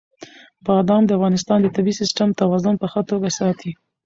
بادام د افغانستان د طبعي سیسټم توازن په ښه توګه ساتي.